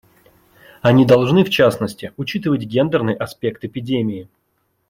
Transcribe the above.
Они должны, в частности, учитывать гендерный аспект эпидемии.